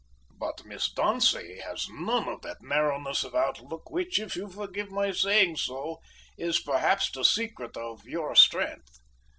"But Miss Dauncey has none of that narrowness of outlook which, if you forgive my saying so, is perhaps the secret of your strength.